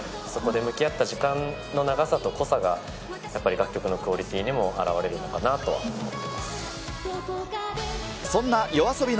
そこで向き合った時間の長さと濃さが、やっぱり楽曲のクオリティーにも表れるのかなとは思っています。